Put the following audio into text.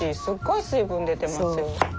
すっごい水分出てますよ。